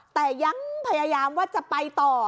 แต่ยังพยายามว่าจะไปต่อ